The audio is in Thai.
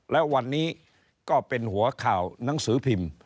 และวันนี้ก็เป็นหัวข่าวหนังสือพิมพ์